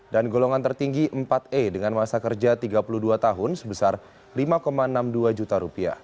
dan golongan tertinggi empat e dengan masa kerja tiga puluh dua tahun sebesar rp lima enam puluh dua juta